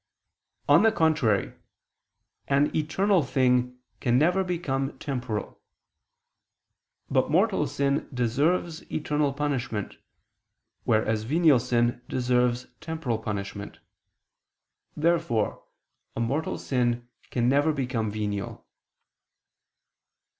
On the contrary, An eternal thing can never become temporal. But mortal sin deserves eternal punishment, whereas venial sin deserves temporal punishment. Therefore a mortal sin can never become venial.